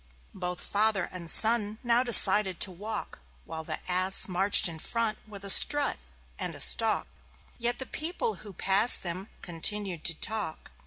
Both Father and Son now decided to walk, While the Ass marched in front with a strut and a stalk; Yet the people who passed them continued to talk.